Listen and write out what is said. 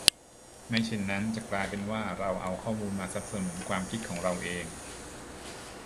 ไม่เช่นนั้นจะกลายเป็นว่าเราเอาข้อมูลมาสนับสนุนความคิดของเราเอง